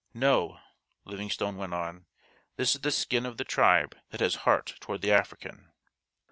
"No," Livingstone went on, "this is the skin of the tribe that has heart toward the African."